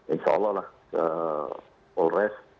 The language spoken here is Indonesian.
insya allah lah ke polres